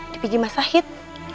dipinjam mas sahid